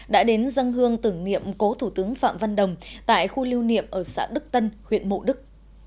đã đến dân hương tưởng niệm cố thủ tướng phạm văn đồng tại khu lưu niệm ở xã đức tân huyện mộ đức